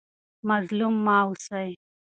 مظلوم مه اوسئ.